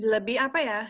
lebih apa ya